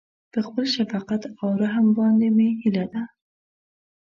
په خپل شفقت او رحم باندې مې هيله ده.